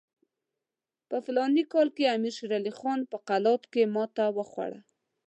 په فلاني کال کې امیر شېر علي خان په قلات کې ماته وخوړه.